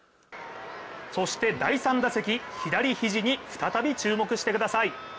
そして第３打席左肘に再び注目してください。